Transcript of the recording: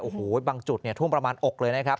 โอ้โฮบางจุดทุ่งประมาณ๖เลยนะครับ